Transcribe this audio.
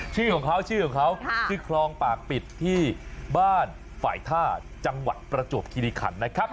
ชื่อของเขาชื่อของเขาชื่อคลองปากปิดที่บ้านฝ่ายท่าจังหวัดประจวบคิริขันนะครับ